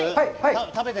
食べてる？